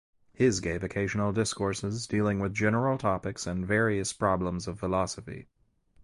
His gave occasional discourses, dealing with general topics and various problems of philosophy.